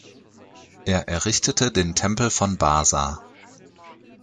Er errichtete den Tempel von Basa.